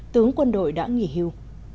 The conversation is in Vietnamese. tướng quân đội đã nghỉ hưu